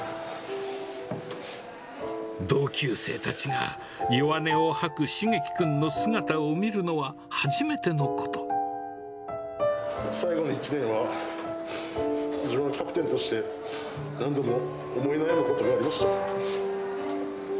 同級生たちが弱音を吐くしげ最後の１年は、自分はキャプテンとして、何度も思い悩むことがありました。